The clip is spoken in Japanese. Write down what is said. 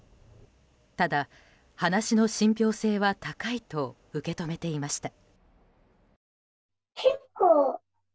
ただ、話の信ぴょう性は高いと受け止めていました。